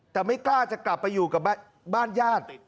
แต่ไม่กล้าจะกลับไปอยู่กับบ้านญาติ